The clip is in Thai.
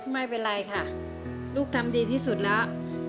ไม่เป็นไรค่ะลูกทำดีที่สุดแล้ว